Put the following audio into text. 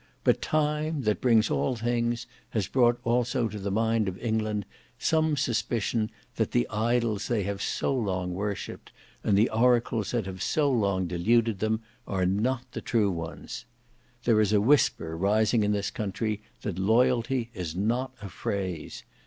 But Time that brings all things has brought also to the mind of England some suspicion that the idols they have so long worshipped and the oracles that have so long deluded them are not the true ones. There is a whisper rising in this country that Loyalty is not a phrase.